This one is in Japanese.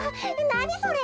なにそれ。